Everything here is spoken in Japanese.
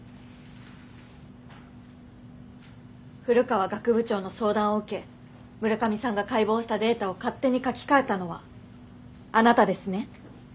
古川学部長の相談を受け村上さんが解剖したデータを勝手に書き換えたのはあなたですね？